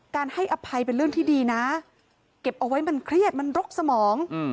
ให้อภัยเป็นเรื่องที่ดีนะเก็บเอาไว้มันเครียดมันรกสมอง